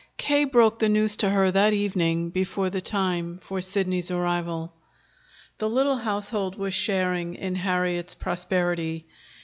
K. broke the news to her that evening before the time for Sidney's arrival. The little household was sharing in Harriet's prosperity.